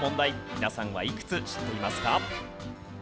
皆さんはいくつ知っていますか？